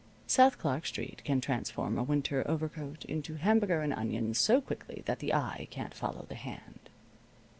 South Clark Street can transform a winter overcoat into hamburger and onions so quickly that the eye can't follow the hand.